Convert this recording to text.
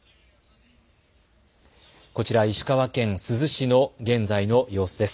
こちら石川県珠洲市の現在の様子です。